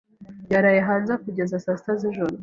yaraye hanze kugeza saa sita z'ijoro.